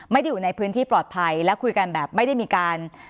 อยู่ในพื้นที่ปลอดภัยและคุยกันแบบไม่ได้มีการ